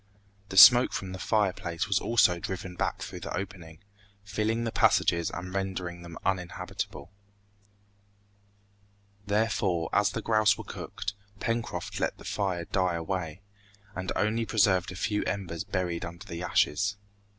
The smoke from the fireplace was also driven back through the opening, filling the passages and rendering them uninhabitable. Therefore, as the grouse were cooked, Pencroft let the fire die away, and only preserved a few embers buried under the ashes.